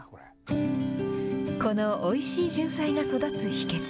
このおいしいじゅんさいが育つ秘けつ。